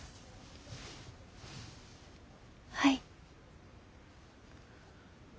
はい。